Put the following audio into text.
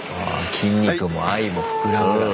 「筋肉も愛も膨らむ」だって。